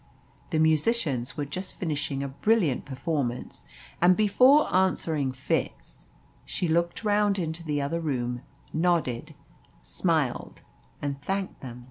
The musicians were just finishing a brilliant performance, and before answering Fitz she looked round into the other room, nodded, smiled, and thanked them.